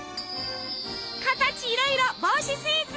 形いろいろ帽子スイーツ！